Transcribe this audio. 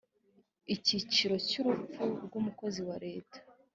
icyiciro cya urupfu rw umukozi wa leta